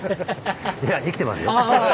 いや生きてますよ。